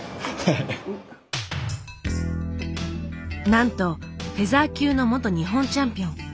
なんとフェザー級の元日本チャンピオン。